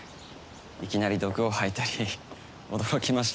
いきなり毒を吐いたり驚きました。